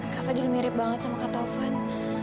kak fadil mirip banget sama kak taufan